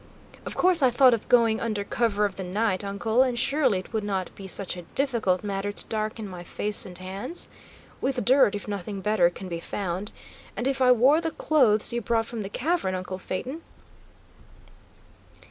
"Of course I thought of going under cover of the night, uncle, and surely it would not be such a difficult matter to darken my face and hands? With dirt, if nothing better can be found. And if I wore the clothes you brought from the cavern, uncle Phaeton?"